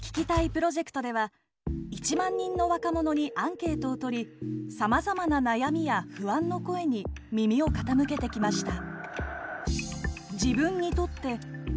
プロジェクトでは１万人の若者にアンケートをとりさまざまな悩みや不安の声に耳を傾けてきました。